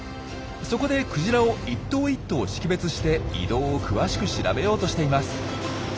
そこでクジラを一頭一頭識別して移動を詳しく調べようとしています。